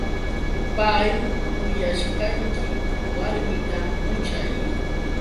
Pay kuyashqayki warmita muchay.